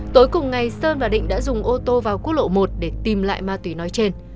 tối cùng ngày sơn và định đã dùng ô tô vào quốc lộ một để tìm lại ma túy nói trên